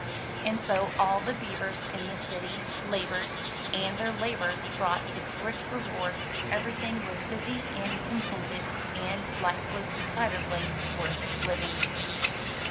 And so all the beavers in the city labored, and their labor brought its rich reward; everybody was busy and contented, and life was decidedly worth living.